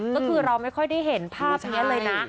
ก็คือเราไม่ค่อยได้เห็นภาพนี้เลยนะ